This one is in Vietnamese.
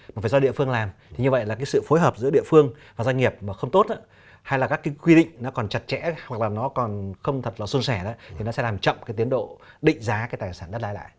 mà phải do địa phương làm thì như vậy là cái sự phối hợp giữa địa phương và doanh nghiệp mà không tốt hay là các cái quy định nó còn chặt chẽ hoặc là nó còn không thật là xuân sẻ thì nó sẽ làm chậm cái tiến độ định giá cái tài sản đất đai lại